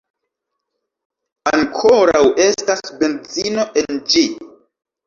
Ankoraŭ estas benzino en ĝi